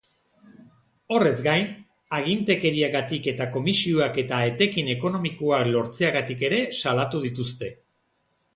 Horrez gain, agintekeriagatik eta komisioak eta etekin ekonomikoak lortzeagatik ere salatu dituzte.